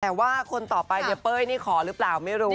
แต่ว่าคนต่อไปเนี่ยเป้ยนี่ขอหรือเปล่าไม่รู้